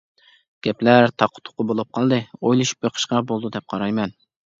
گەپلەر تاققا-تۇققا بولۇپ قالدى، ئويلىشىپ بېقىشقا بولىدۇ دەپ قارايمەن.